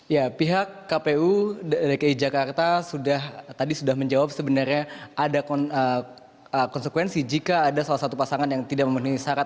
ya pihak kpu dki jakarta tadi sudah menjawab sebenarnya ada konsekuensi jika ada salah satu pasangan yang tidak memenuhi syarat